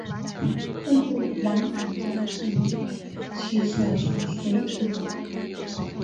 分布于南盘江及其所属水体等。